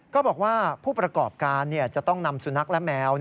ก็บอกว่าผู้ประกอบการจะต้องนำสุนัขและแมว